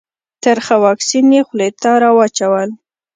ترخه واکسین یې خولې ته راواچول.